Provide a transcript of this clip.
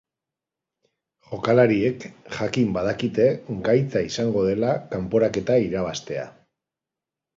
Jokalariek jakin badakite gaitza izango dela kanporaketa irabaztea.